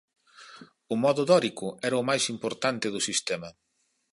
O modo dórico era o máis importante do sistema.